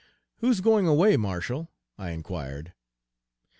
"Who's going away, Marshall?" I inquired.